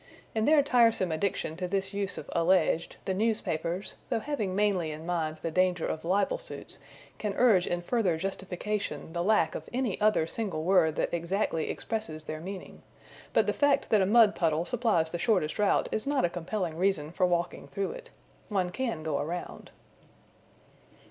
In their tiresome addiction to this use of alleged, the newspapers, though having mainly in mind the danger of libel suits, can urge in further justification the lack of any other single word that exactly expresses their meaning; but the fact that a mud puddle supplies the shortest route is not a compelling reason for walking through it. One can go around.